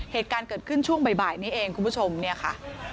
เหตุการณ์เกิดขึ้นช่วงบ่ายนี้เองคุณผู้ชมเนี่ยค่ะ